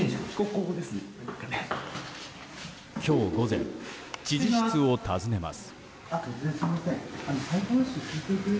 今日午前、知事室を訪ねます。